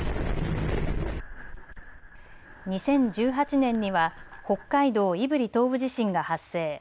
２０１８年には北海道胆振東部地震が発生。